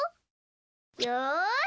よし！